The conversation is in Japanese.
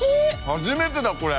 初めてだこれ。